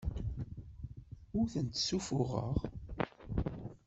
Ur tent-ssuffuɣeɣ.